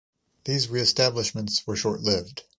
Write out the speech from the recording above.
These re-establishments were short lived.